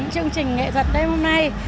chương trình nghệ thuật đêm hôm nay